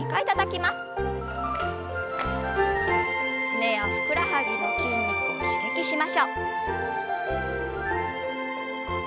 すねやふくらはぎの筋肉を刺激しましょう。